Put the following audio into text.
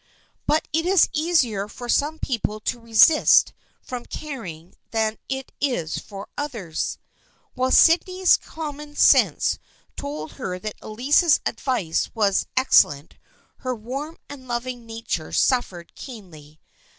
But it is easier for some people to resist from " caring " than it is for others. While Sydney's common sense told her that Elsie's advice was ex cellent, her warm and loving nature suffered keenly.